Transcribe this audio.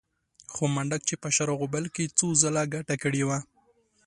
خو منډک چې په شر او غوبل کې څو ځله ګټه کړې وه.